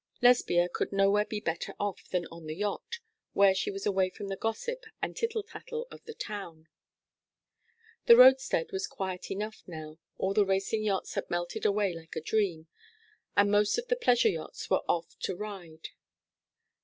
Lesbia could nowhere be better off than on the yacht, where she was away from the gossip and tittle tattle of the town. The roadstead was quiet enough now. All the racing yachts had melted away like a dream, and most of the pleasure yachts were off to Ryde.